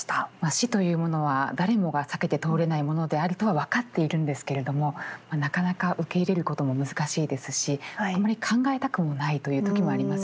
死というものは誰もが避けて通れないものであるとは分かっているんですけれどもなかなか受け入れることも難しいですしあんまり考えたくもないという時もありますよね。